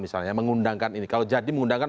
misalnya mengundangkan ini kalau jadi mengundangkan